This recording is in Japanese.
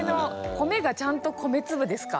米がちゃんと米粒ですか？